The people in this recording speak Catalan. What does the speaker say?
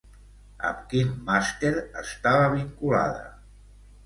Amb quin màster estava vinculada?